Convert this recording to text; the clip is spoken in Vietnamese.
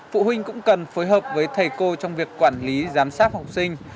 phụ huynh cũng cần phối hợp với thầy cô trong việc quản lý giám sát học sinh